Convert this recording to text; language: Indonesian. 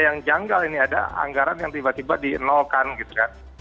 yang janggal ini ada anggaran yang tiba tiba di nolkan gitu kan